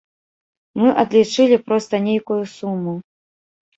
Мы адлічылі проста нейкую суму.